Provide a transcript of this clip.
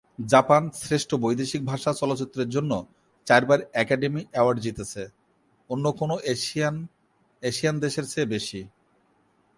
Japan শ্রেষ্ঠ বৈদেশিক ভাষা চলচ্চিত্রের জন্য চারবার একাডেমি অ্যাওয়ার্ড জিতেছে, অন্য কোনও এশিয়ান এশিয়ান দেশের চেয়ে বেশি।